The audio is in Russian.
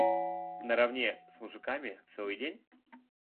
Наравне с мужиками, целый день?